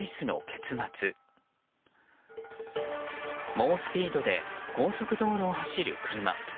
猛スピードで高速道路を走る車。